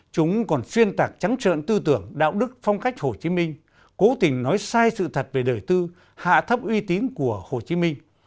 chúng còn xuyên tạc trắng trợn tư tưởng đạo đức phong cách hồ chí minh cố tình nói sai sự thật về đời tư hạ thấp uy tín của hồ chí minh